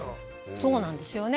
そうなんですよね。